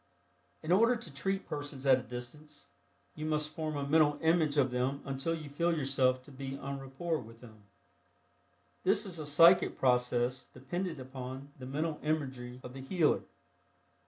In order to treat persons at a distance, you must form a mental image of them until you can feel yourself to be en rapport with them. This is a psychic process dependent upon the mental imagery of the healer.